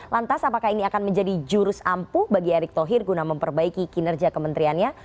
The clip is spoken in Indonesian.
lantas apakah ini akan menjadi jurus ampuh bagi erick thohir guna memperbaiki kinerja kementeriannya